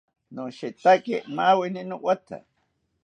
Nashetaki maaweni nowatha